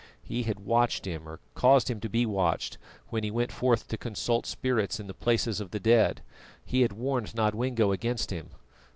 He had watched him, or caused him to be watched, when he went forth to consult spirits in the place of the dead; he had warned Nodwengo against him.